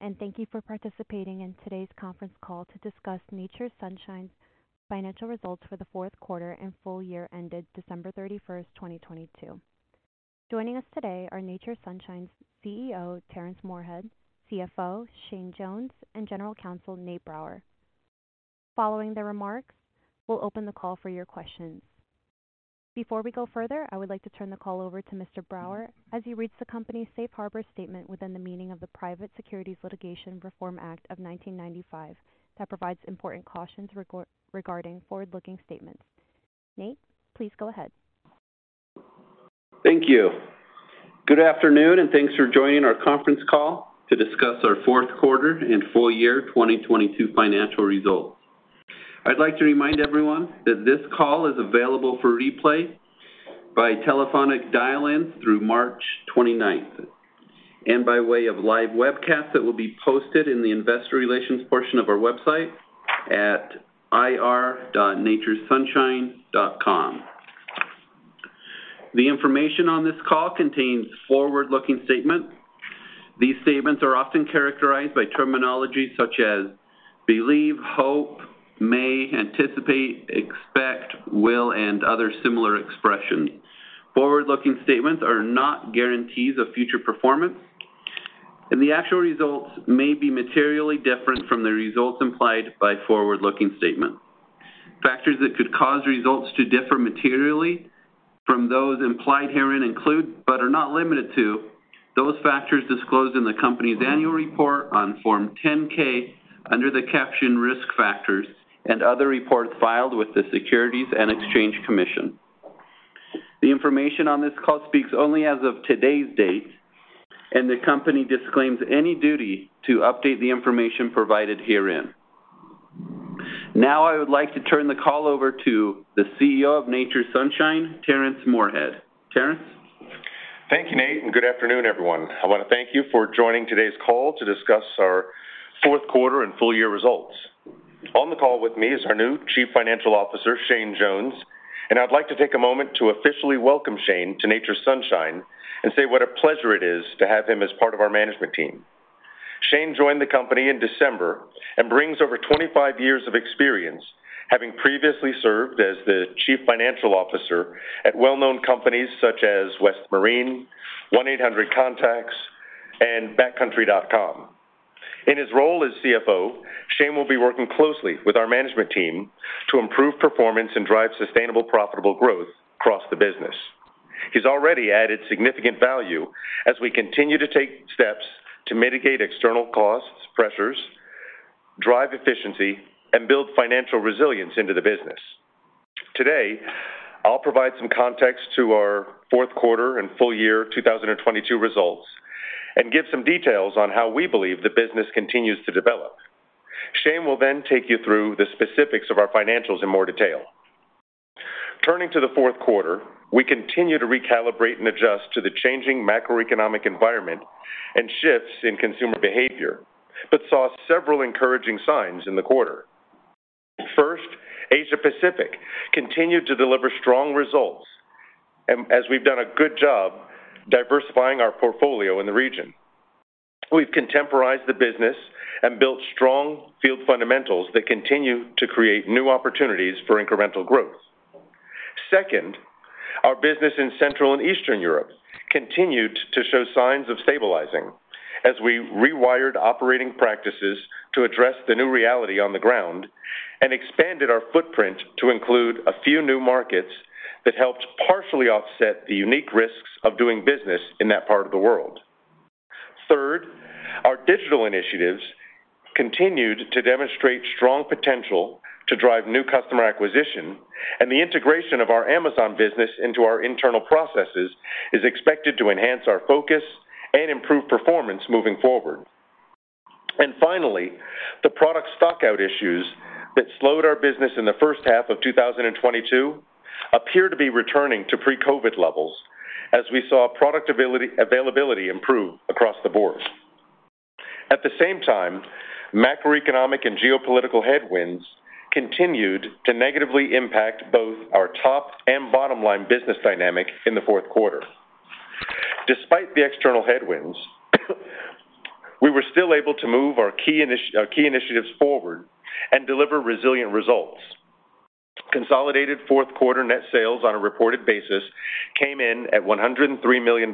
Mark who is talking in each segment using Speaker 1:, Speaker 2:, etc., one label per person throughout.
Speaker 1: Good afternoon everyone. Thank you for participating in today's Conference Call to discuss Nature's Sunshine Financial Results for the Fourth Quarter and Full Year Ended December 31, 2022. Joining us today are Nature's Sunshine's CEO, Terrence Moorehead, CFO, Shane Jones, and General Counsel, Nate Brower. Following the remarks, we'll open the call for your questions. Before we go further, I would like to turn the call over to Mr. Brower as he reads the company's safe harbor statement within the meaning of the Private Securities Litigation Reform Act of 1995 that provides important cautions regarding forward-looking statements. Nate, please go ahead.
Speaker 2: Thank you. Good afternoon, and thanks for joining our Conference Call to discuss our Fourth Quarter and Full Year 2022 Financial Results. I'd like to remind everyone that this call is available for replay by telephonic dial-in through March 29th, and by way of live webcast that will be posted in the Investor Relations portion of our website at ir.naturessunshine.com. The information on this call contains forward-looking statements. These statements are often characterized by terminology such as believe, hope, may, anticipate, expect, will, and other similar expressions. Forward-looking statements are not guarantees of future performance, and the actual results may be materially different from the results implied by forward-looking statements. Factors that could cause results to differ materially from those implied herein include, but are not limited to, those factors disclosed in the company's annual report on Form 10-K under the caption Risk Factors and other reports filed with the Securities and Exchange Commission. The information on this call speaks only as of today's date, and the company disclaims any duty to update the information provided herein. I would like to turn the call over to the CEO of Nature's Sunshine, Terrence Moorehead. Terrence?
Speaker 3: Thank you, Nate. Good afternoon, everyone. I want to thank you for joining today's call to discuss our Fourth Quarter and Full Year Results. On the call with me is our new Chief Financial Officer, Shane Jones, and I'd like to take a moment to officially welcome Shane to Nature's Sunshine and say what a pleasure it is to have him as part of our management team. Shane joined the company in December and brings over 25 years of experience, having previously served as the Chief Financial Officer at well-known companies such as West Marine, 1-800 Contacts, and Backcountry.com. In his role as CFO, Shane will be working closely with our management team to improve performance and drive sustainable, profitable growth across the business. He's already added significant value as we continue to take steps to mitigate external costs, pressures, drive efficiency, and build financial resilience into the business. Today, I'll provide some context to our fourth quarter and full year 2022 results and give some details on how we believe the business continues to develop. Shane will then take you through the specifics of our financials in more detail. Turning to the fourth quarter, we continue to recalibrate and adjust to the changing macroeconomic environment and shifts in consumer behavior, but saw several encouraging signs in the quarter. First, Asia-Pacific continued to deliver strong results as we've done a good job diversifying our portfolio in the region. We've contemporized the business and built strong field fundamentals that continue to create new opportunities for incremental growth. Second, our business in Central and Eastern Europe continued to show signs of stabilizing as we rewired operating practices to address the new reality on the ground and expanded our footprint to include a few new markets that helped partially offset the unique risks of doing business in that part of the world. Third, our digital initiatives continued to demonstrate strong potential to drive new customer acquisition, and the integration of our Amazon business into our internal processes is expected to enhance our focus and improve performance moving forward. Finally, the product stock out issues that slowed our business in the first half of 2022 appear to be returning to pre-COVID levels as we saw product availability improve across the board. At the same time, macroeconomic and geopolitical headwinds continued to negatively impact both our top and bottom line business dynamic in the fourth quarter. Despite the external headwinds, we were still able to move our key initiatives forward and deliver resilient results. Consolidated fourth quarter net sales on a reported basis came in at $103 million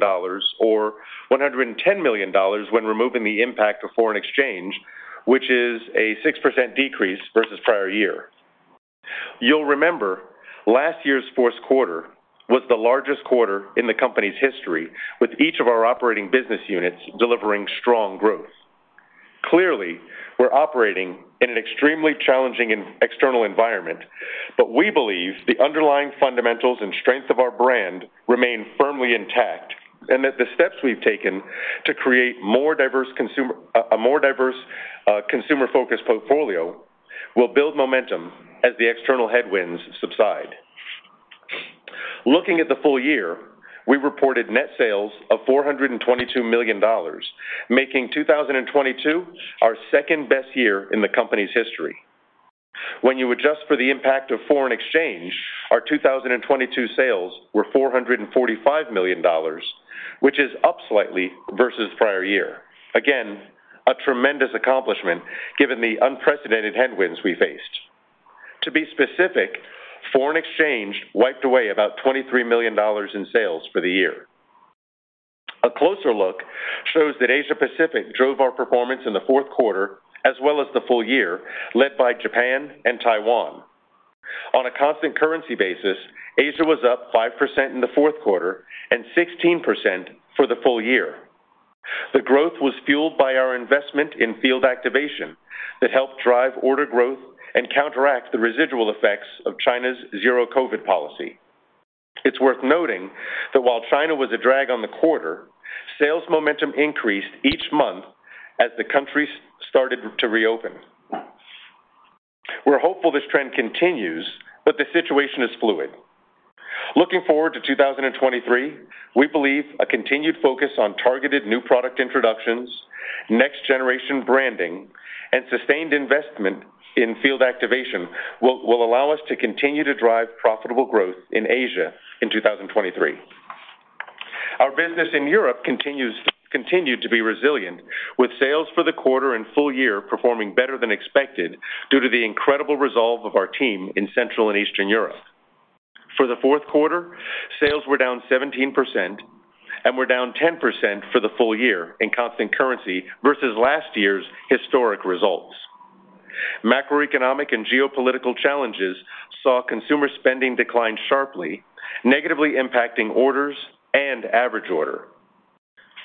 Speaker 3: or $110 million when removing the impact of foreign exchange, which is a 6% decrease versus prior year. You'll remember last year's fourth quarter was the largest quarter in the company's history, with each of our operating business units delivering strong growth. Clearly, we're operating in an extremely challenging and external environment, but we believe the underlying fundamentals and strength of our brand remain firmly intact, and that the steps we've taken to create a more diverse, consumer-focused portfolio will build momentum as the external headwinds subside. Looking at the full year, we reported net sales of $422 million, making 2022 our second-best year in the company's history. When you adjust for the impact of foreign exchange, our 2022 sales were $445 million, which is up slightly versus prior year. Again, a tremendous accomplishment given the unprecedented headwinds we faced. To be specific, foreign exchange wiped away about $23 million in sales for the year. A closer look shows that Asia-Pacific drove our performance in the fourth quarter as well as the full year, led by and Taiwan. On a constant currency basis, Asia was up 5% in the fourth quarter and 16% for the full year. The growth was fueled by our investment in field activation that helped drive order growth and counteract the residual effects of China's Zero-COVID policy. It's worth noting that while China was a drag on the quarter, sales momentum increased each month as the country started to reopen. We're hopeful this trend continues, but the situation is fluid. Looking forward to 2023, we believe a continued focus on targeted new product introductions, next generation branding, and sustained investment in field activation will allow us to continue to drive profitable growth in Asia in 2023. Our business in Europe continued to be resilient, with sales for the quarter and full year performing better than expected due to the incredible resolve of our team in Central and Eastern Europe. For the fourth quarter, sales were down 17% and were down 10% for the full year in constant currency versus last year's historic results. Macroeconomic and geopolitical challenges saw consumer spending decline sharply, negatively impacting orders and average order.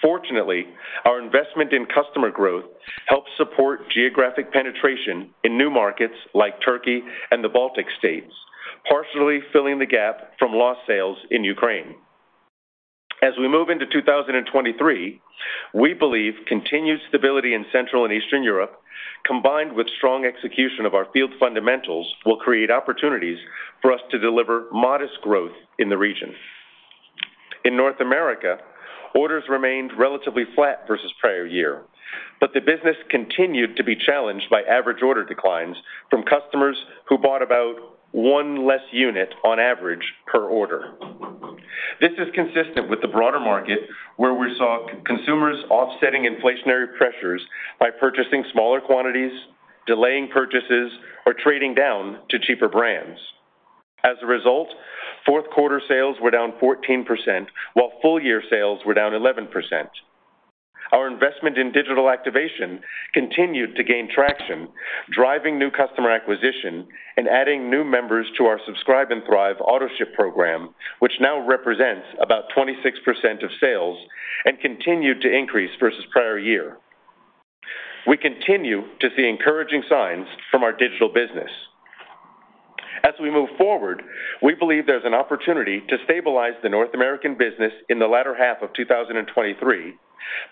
Speaker 3: Fortunately, our investment in customer growth helped support geographic penetration in new markets like Turkey and the Baltic States, partially filling the gap from lost sales in Ukraine. As we move into 2023, we believe continued stability in Central and Eastern Europe, combined with strong execution of our field fundamentals, will create opportunities for us to deliver modest growth in the region. In North America, orders remained relatively flat versus prior year, but the business continued to be challenged by average order declines from customers who bought about 1 less unit on average per order. This is consistent with the broader market, where we saw consumers offsetting inflationary pressures by purchasing smaller quantities, delaying purchases, or trading down to cheaper brands. As a result, fourth quarter sales were down 14%, while full year sales were down 11%. Our investment in digital activation continued to gain traction, driving new customer acquisition and adding new members to our Subscribe & Thrive autoship program, which now represents about 26% of sales and continued to increase versus prior year. We continue to see encouraging signs from our digital business. We believe there's an opportunity to stabilize the North American business in the latter half of 2023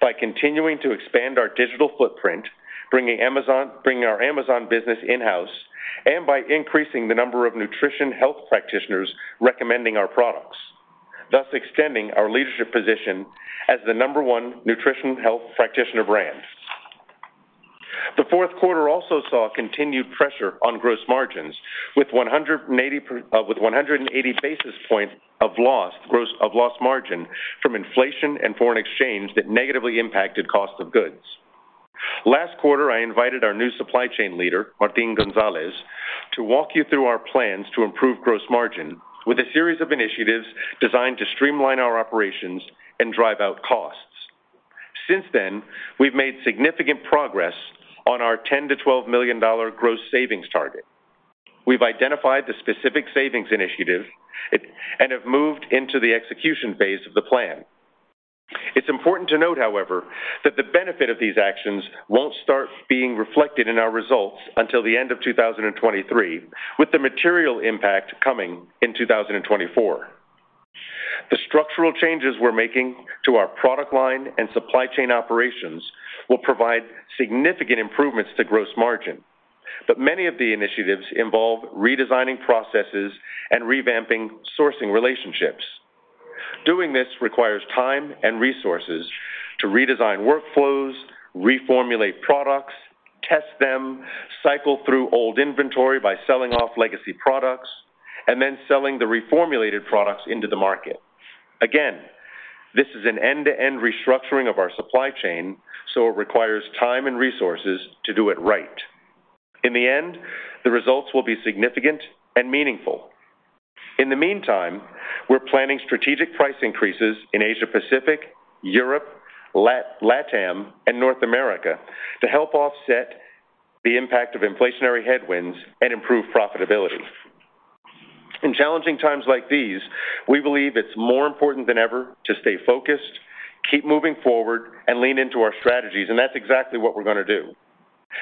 Speaker 3: by continuing to expand our digital footprint, bringing our Amazon business in-house, and by increasing the number of nutrition health practitioners recommending our products, thus extending our leadership position as the number one nutrition health practitioner brand. The fourth quarter also saw continued pressure on gross margins with 180 basis points of lost margin from inflation and foreign exchange that negatively impacted cost of goods. Last quarter, I invited our new supply chain leader, Martin Gonzalez, to walk you through our plans to improve gross margin with a series of initiatives designed to streamline our operations and drive out costs. Since then, we've made significant progress on our $10 million-$12 million gross savings target. We've identified the specific savings initiative and have moved into the execution phase of the plan. It's important to note, however, that the benefit of these actions won't start being reflected in our results until the end of 2023, with the material impact coming in 2024. The structural changes we're making to our product line and supply chain operations will provide significant improvements to gross margin. Many of the initiatives involve redesigning processes and revamping sourcing relationships. Doing this requires time and resources to redesign workflows, reformulate products, test them, cycle through old inventory by selling off legacy products, and then selling the reformulated products into the market. This is an end-to-end restructuring of our supply chain, it requires time and resources to do it right. In the end, the results will be significant and meaningful. In the meantime, we're planning strategic price increases in Asia-Pacific, Europe, LATAM, and North America to help offset the impact of inflationary headwinds and improve profitability. In challenging times like these, we believe it's more important than ever to stay focused, keep moving forward, and lean into our strategies, that's exactly what we're gonna do.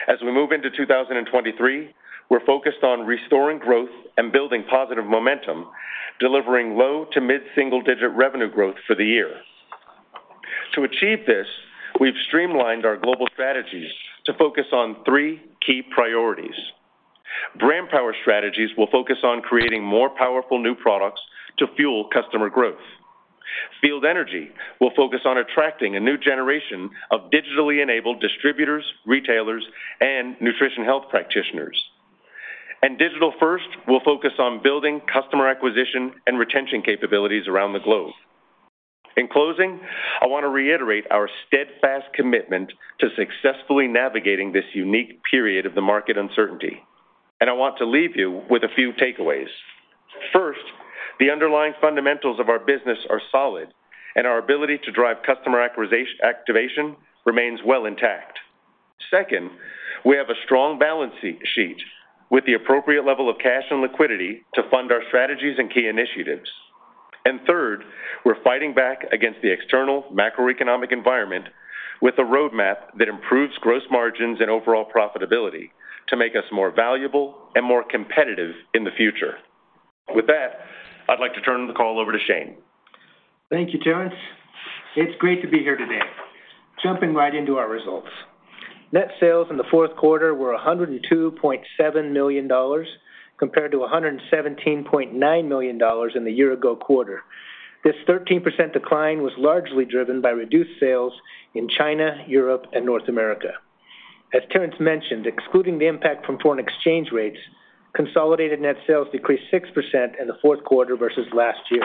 Speaker 3: As we move into 2023, we're focused on restoring growth and building positive momentum, delivering low to mid-single digit revenue growth for the year. To achieve this, we've streamlined our global strategies to focus on three key priorities. Brand Power strategies will focus on creating more powerful new products to fuel customer growth. Field Energy will focus on attracting a new generation of digitally enabled distributors, retailers, and nutrition health practitioners. Digital First will focus on building customer acquisition and retention capabilities around the globe. In closing, I wanna reiterate our steadfast commitment to successfully navigating this unique period of the market uncertainty, and I want to leave you with a few takeaways. First, the underlying fundamentals of our business are solid, and our ability to drive customer activation remains well intact. Second, we have a strong balance sheet with the appropriate level of cash and liquidity to fund our strategies and key initiatives. Third, we're fighting back against the external macroeconomic environment with a roadmap that improves gross margins and overall profitability to make us more valuable and more competitive in the future. With that, I'd like to turn the call over to Shane.
Speaker 4: Thank you, Terrence. It's great to be here today. Jumping right into our results. Net sales in the fourth quarter were $102.7 million compared to $117.9 million in the year-ago quarter. This 13% decline was largely driven by reduced sales in China, Europe, and North America. As Terrence mentioned, excluding the impact from foreign exchange rates, consolidated net sales decreased 6% in the fourth quarter versus last year.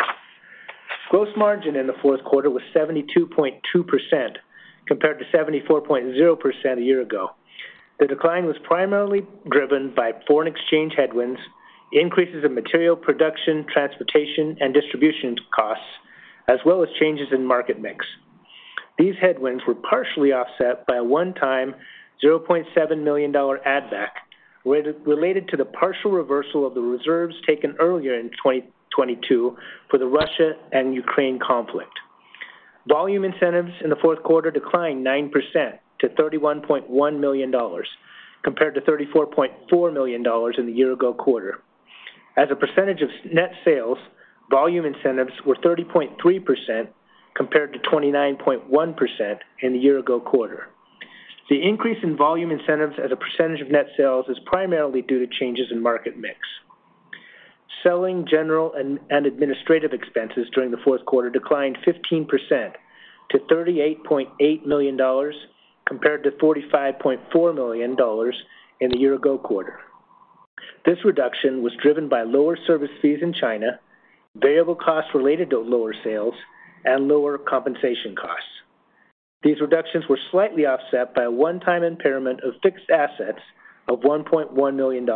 Speaker 4: Gross margin in the fourth quarter was 72.2%, compared to 74.0% a year ago. The decline was primarily driven by foreign exchange headwinds, increases in material production, transportation, and distribution costs, as well as changes in market mix. These headwinds were partially offset by a one-time $0.7 million add back, related to the partial reversal of the reserves taken earlier in 2022 for the Russia and Ukraine conflict. Volume incentives in the fourth quarter declined 9% to $31.1 million, compared to $34.4 million in the year-ago quarter. As a percentage of net sales, volume incentives were 30.3% compared to 29.1% in the year-ago quarter. The increase in volume incentives as a percentage of net sales is primarily due to changes in market mix. Selling general and administrative expenses during the fourth quarter declined 15% to $38.8 million, compared to $45.4 million in the year-ago quarter. This reduction was driven by lower service fees in China, variable costs related to lower sales, and lower compensation costs. These reductions were slightly offset by a one-time impairment of fixed assets of $1.1 million.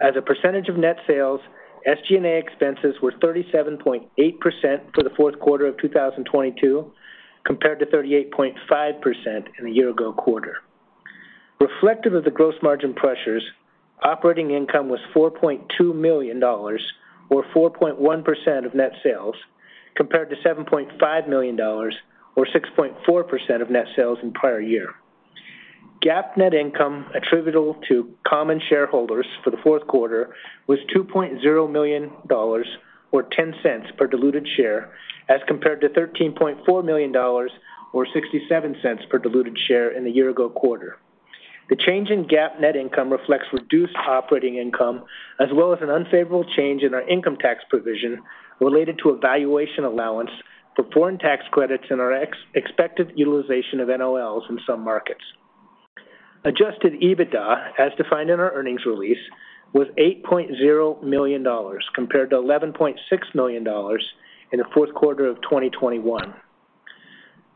Speaker 4: As a percentage of net sales, SG&A expenses were 37.8% for the fourth quarter of 2022, compared to 38.5% in the year-ago quarter. Reflective of the gross margin pressures, operating income was $4.2 million, or 4.1% of net sales, compared to $7.5 million, or 6.4% of net sales in prior year. GAAP net income attributable to common shareholders for the fourth quarter was $2.0 million or $0.10 per diluted share, as compared to $13.4 million or $0.67 per diluted share in the year ago quarter. The change in GAAP net income reflects reduced operating income, as well as an unfavorable change in our income tax provision related to a valuation allowance for foreign tax credits and our expected utilization of NOLs in some markets. Adjusted EBITDA, as defined in our earnings release, was $8.0 million, compared to $11.6 million in the fourth quarter of 2021.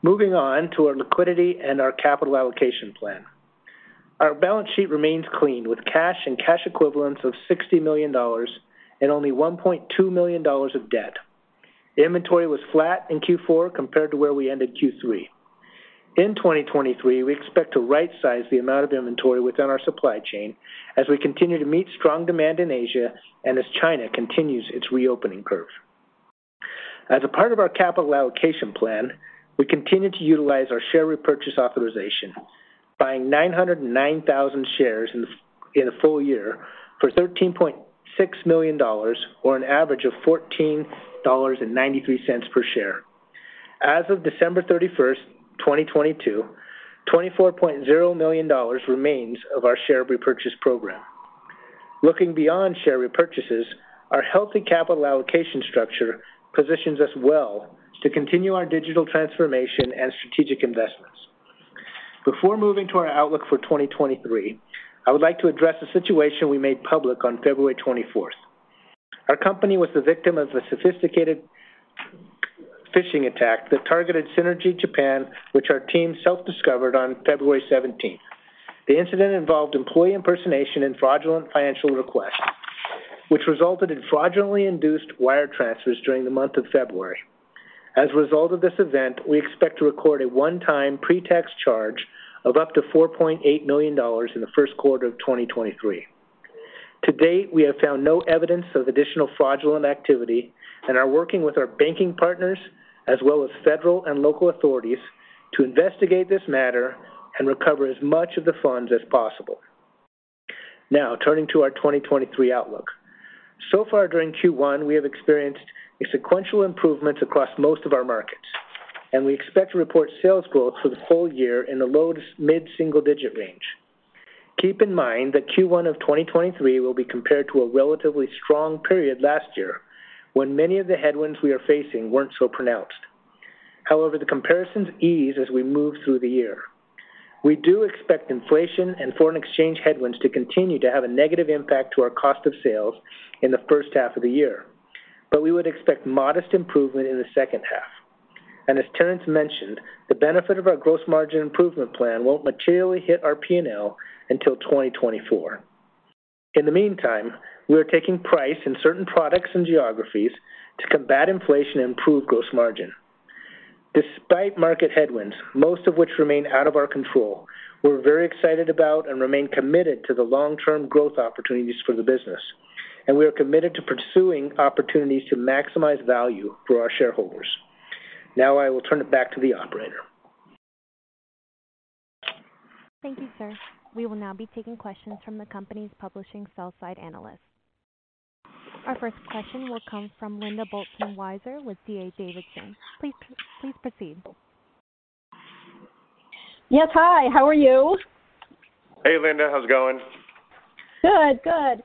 Speaker 4: Moving on to our liquidity and our capital allocation plan. Our balance sheet remains clean, with cash and cash equivalents of $60 million and only $1.2 million of debt. Inventory was flat in Q4 compared to where we ended Q3. In 2023, we expect to right-size the amount of inventory within our supply chain as we continue to meet strong demand in Asia and as China continues its reopening curve. As a part of our capital allocation plan, we continue to utilize our share repurchase authorization, buying 909,000 shares in the full year for $13.6 million, or an average of $14.93 per share. As of December 31st, 2022, $24.0 million remains of our share repurchase program. Looking beyond share repurchases, our healthy capital allocation structure positions us well to continue our digital transformation and strategic investments. Before moving to our outlook for 2023, I would like to address a situation we made public on February 24th. Our company was the victim of a sophisticated phishing attack that targeted Synergy Japan, which our team self-discovered on February 17th. The incident involved employee impersonation and fraudulent financial requests, which resulted in fraudulently induced wire transfers during the month of February. As a result of this event, we expect to record a one-time pre-tax charge of up to $4.8 million in the first quarter of 2023. To date, we have found no evidence of additional fraudulent activity and are working with our banking partners as well as federal and local authorities to investigate this matter and recover as much of the funds as possible. Turning to our 2023 outlook. Far during Q1, we have experienced a sequential improvement across most of our markets, and we expect to report sales growth for the full year in the low to mid-single-digit range. Keep in mind that Q1 of 2023 will be compared to a relatively strong period last year when many of the headwinds we are facing weren't so pronounced. However, the comparisons ease as we move through the year. We do expect inflation and foreign exchange headwinds to continue to have a negative impact to our cost of sales in the first half of the year, but we would expect modest improvement in the second half. As Terrence mentioned, the benefit of our gross margin improvement plan won't materially hit our P&L until 2024. In the meantime, we are taking price in certain products and geographies to combat inflation and improve gross margin. Despite market headwinds, most of which remain out of our control, we're very excited about and remain committed to the long-term growth opportunities for the business. We are committed to pursuing opportunities to maximize value for our shareholders. Now I will turn it back to the operator.
Speaker 1: Thank you, sir. We will now be taking questions from the company's publishing sell-side analysts. Our first question will come from Linda Bolton-Weiser with D.A. Davidson. Please proceed.
Speaker 5: Yes. Hi, how are you?
Speaker 3: Hey, Linda. How's it going?
Speaker 5: Good. Good.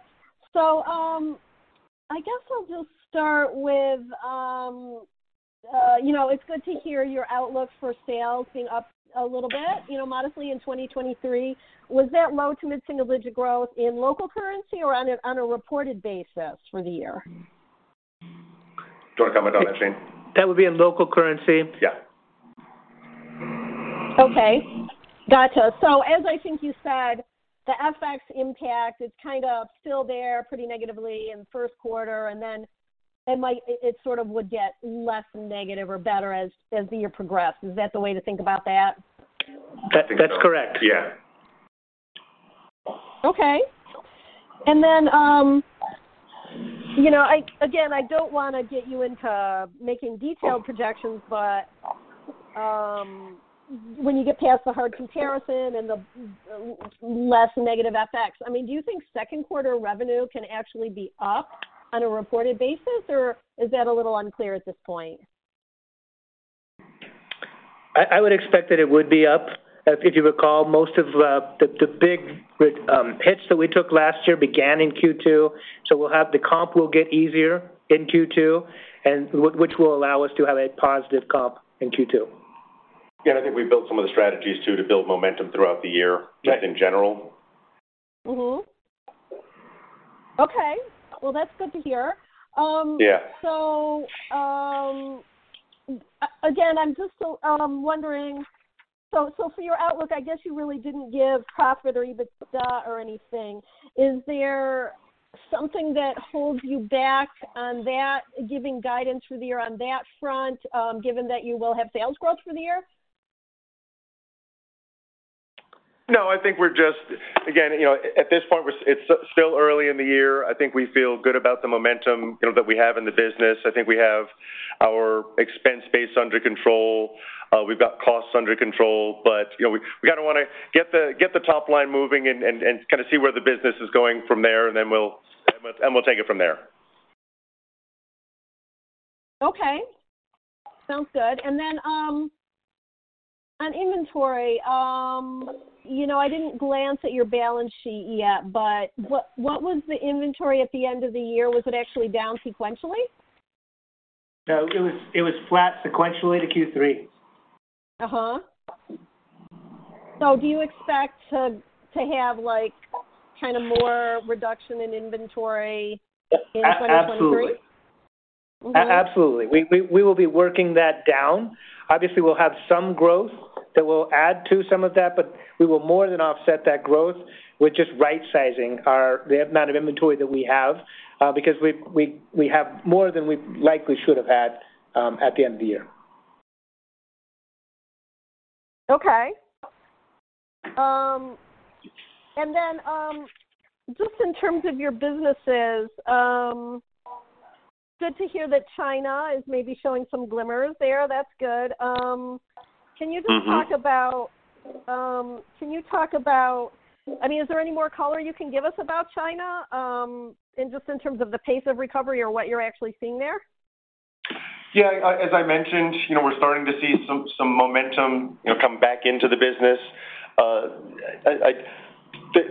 Speaker 5: I guess I'll just start with, you know, it's good to hear your outlook for sales being up a little bit, you know, modestly in 2023. Was that low to mid-single-digit growth in local currency or on a reported basis for the year?
Speaker 3: Do you wanna comment on that, Shane?
Speaker 4: That would be in local currency.
Speaker 3: Yeah.
Speaker 5: Okay. Gotcha. as I think you said, the FX impact is kind of still there pretty negatively in the first quarter, and then it might sort of would get less negative or better as the year progressed. Is that the way to think about that?
Speaker 4: That's correct.
Speaker 3: Yeah.
Speaker 5: Okay. Then, you know, again, I don't wanna get you into making detailed projections, but, when you get past the hard comparison and the less negative FX, I mean, do you think second quarter revenue can actually be up on a reported basis, or is that a little unclear at this point?
Speaker 4: I would expect that it would be up. If you recall, most of the big hits that we took last year began in Q2, so we'll have the comp will get easier in Q2, and which will allow us to have a positive comp in Q2.
Speaker 3: Yeah, I think we built some of the strategies too to build momentum throughout the year.
Speaker 4: Yeah.
Speaker 3: like in general.
Speaker 5: Mm-hmm. Okay. Well, that's good to hear.
Speaker 3: Yeah.
Speaker 5: Again, I'm just wondering, for your outlook, I guess you really didn't give profit or Adjusted EBITDA or anything. Is there something that holds you back on that, giving guidance for the year on that front, given that you will have sales growth for the year?
Speaker 3: No, I think we're just... Again, you know, at this point it's still early in the year. I think we feel good about the momentum, you know, that we have in the business. I think we have our expense base under control. We've got costs under control. You know, we kinda wanna get the top line moving and kinda see where the business is going from there, and then we'll take it from there.
Speaker 5: Okay. Sounds good. On inventory, you know, I didn't glance at your balance sheet yet, but what was the inventory at the end of the year? Was it actually down sequentially?
Speaker 4: No, it was flat sequentially to Q3.
Speaker 5: Do you expect to have like kinda more reduction in inventory in 2023?
Speaker 4: A-absolutely.
Speaker 5: Mm-hmm.
Speaker 4: Absolutely. We will be working that down. Obviously, we'll have some growth that will add to some of that, but we will more than offset that growth with just right-sizing our the amount of inventory that we have, because we have more than we likely should have had at the end of the year.
Speaker 5: Okay. Just in terms of your businesses, good to hear that China is maybe showing some glimmers there. That's good.
Speaker 4: Mm-hmm.
Speaker 5: Can you just talk about, I mean, is there any more color you can give us about China, and just in terms of the pace of recovery or what you're actually seeing there?
Speaker 3: Yeah. As I mentioned, you know, we're starting to see some momentum, you know, come back into the business.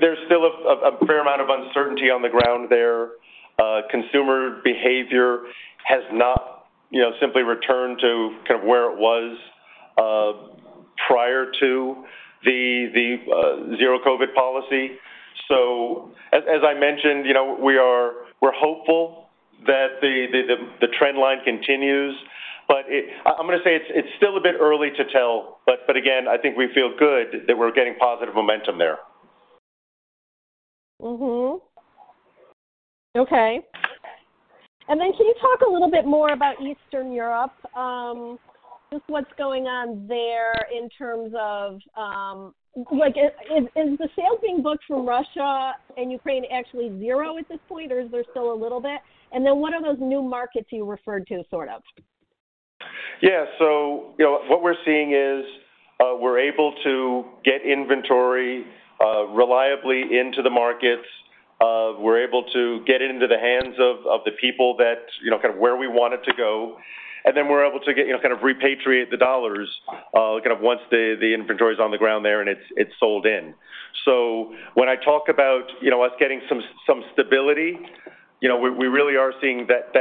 Speaker 3: There's still a fair amount of uncertainty on the ground there. Consumer behavior has not, you know, simply returned to kind of where it was prior to the zero-COVID policy. As I mentioned, you know, we're hopeful that the trend line continues, but I'm gonna say it's still a bit early to tell. Again, I think we feel good that we're getting positive momentum there.
Speaker 5: Okay. Can you talk a little bit more about Eastern Europe, just what's going on there in terms of... Like, is the sales being booked from Russia and Ukraine actually zero at this point, or is there still a little bit? What are those new markets you referred to, sort of?
Speaker 3: Yeah. You know, what we're seeing is, we're able to get inventory reliably into the markets. We're able to get into the hands of the people that, you know, kind of where we want it to go, and then we're able to get, you know, kind of repatriate the dollars, kind of once the inventory's on the ground there and it's sold in. When I talk about, you know, us getting some stability, you know, we really are seeing that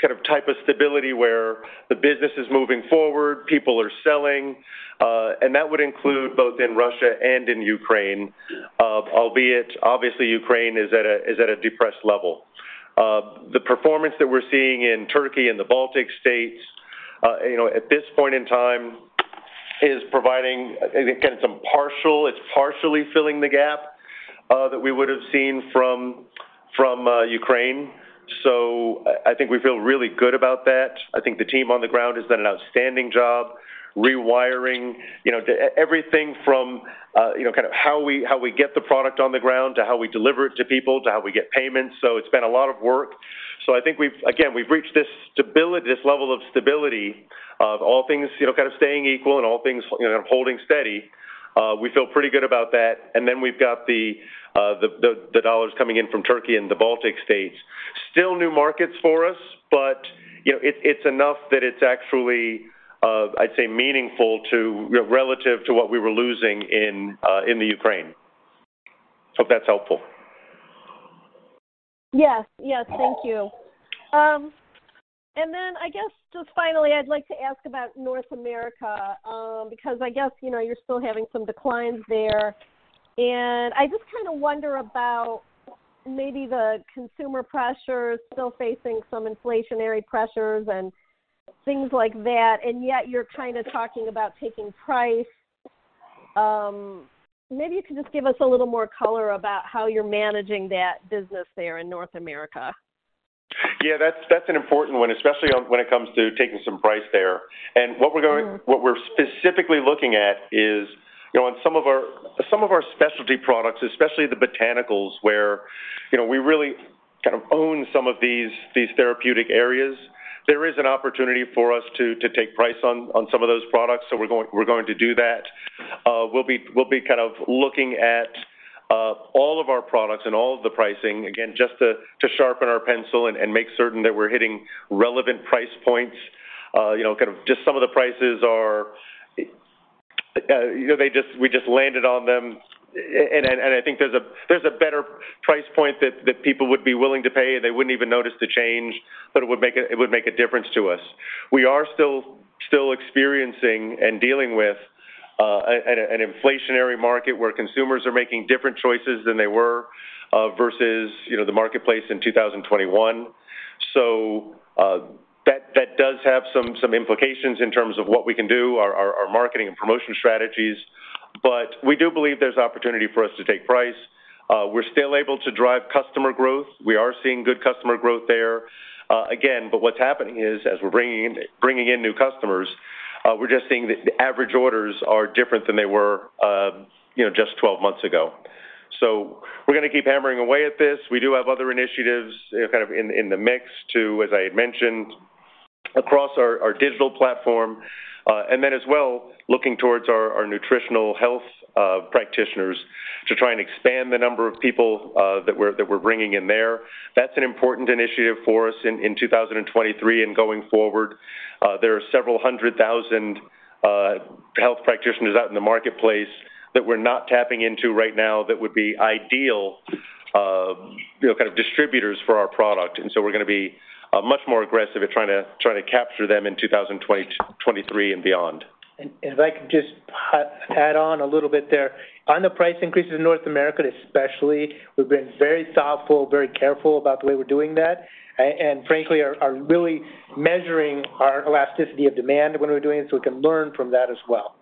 Speaker 3: kind of type of stability where the business is moving forward, people are selling. And that would include both in Russia and in Ukraine, albeit obviously Ukraine is at a depressed level. The performance that we're seeing in Turkey and the Baltic states, you know, at this point in time is providing, again, some partially filling the gap that we would have seen from Ukraine. I think we feel really good about that. I think the team on the ground has done an outstanding job rewiring, you know, everything from, you know, kind of how we get the product on the ground to how we deliver it to people to how we get payments. It's been a lot of work. I think we've again reached this stability, this level of stability of all things, you know, kind of staying equal and all things, you know, holding steady. We feel pretty good about that. We've got the dollars coming in from Turkey and the Baltic states. Still new markets for us, but, you know, it's enough that it's actually, I'd say meaningful to relative to what we were losing in the Ukraine. Hope that's helpful.
Speaker 5: Yes. Yes, thank you. I guess just finally, I'd like to ask about North America, because I guess, you know, you're still having some declines there. I just kinda wonder about maybe the consumer pressures still facing some inflationary pressures and things like that, and yet you're kinda talking about taking price. Maybe you could just give us a little more color about how you're managing that business there in North America.
Speaker 3: Yeah, that's an important one, especially when it comes to taking some price there. What we're.
Speaker 5: Mm-hmm.
Speaker 3: What we're specifically looking at is, you know, on some of our specialty products, especially the botanicals where, you know, we really kind of own some of these therapeutic areas. There is an opportunity for us to take price on some of those products, so we're going to do that. We'll be kind of looking at all of our products and all of the pricing, again, just to sharpen our pencil and make certain that we're hitting relevant price points. You know, kind of just some of the prices are, you know, we just landed on them. I think there's a better price point that people would be willing to pay and they wouldn't even notice the change, but it would make a difference to us. We are still experiencing and dealing with an inflationary market where consumers are making different choices than they were versus, you know, the marketplace in 2021. That does have some implications in terms of what we can do, our marketing and promotion strategies. We do believe there's opportunity for us to take price. We're still able to drive customer growth. We are seeing good customer growth there. Again, but what's happening is as we're bringing in new customers, we're just seeing the average orders are different than they were, you know, just 12 months ago. We're gonna keep hammering away at this. We do have other initiatives, you know, kind of in the mix to, as I had mentioned, across our digital platform. And then as well, looking towards our nutritional health practitioners to try and expand the number of people that we're bringing in there. That's an important initiative for us in 2023 and going forward. There are several hundred thousand health practitioners out in the marketplace that we're not tapping into right now that would be ideal, you know, kind of distributors for our product. We're gonna be much more aggressive at trying to capture them in 2023 and beyond.
Speaker 4: If I could just add on a little bit there. On the price increases in North America, especially, we've been very thoughtful, very careful about the way we're doing that, and frankly, are really measuring our elasticity of demand when we're doing it, so we can learn from that as well.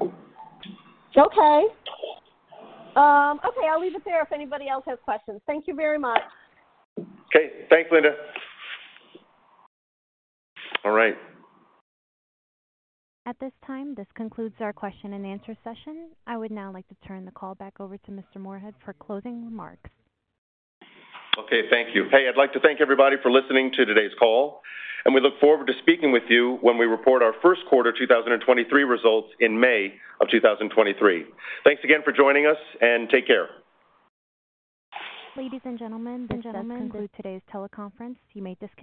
Speaker 5: Okay. Okay, I'll leave it there if anybody else has questions. Thank you very much.
Speaker 3: Okay. Thanks, Linda. All right.
Speaker 1: At this time, this concludes our question and answer session. I would now like to turn the call back over to Mr. Moorehead for closing remarks.
Speaker 3: Okay, thank you. Hey, I'd like to thank everybody for listening to today's call, and we look forward to speaking with you when we report our first quarter 2023 results in May of 2023. Thanks again for joining us, and take care.
Speaker 1: Ladies and gentlemen, this does conclude today's teleconference. You may disconnect.